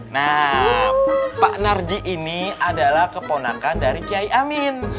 nah pak narji ini adalah keponakan dari kiai amin